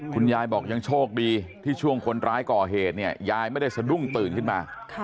คุณยายบอกยังโชคดีที่ช่วงคนร้ายก่อเหตุเนี่ยยายไม่ได้สะดุ้งตื่นขึ้นมา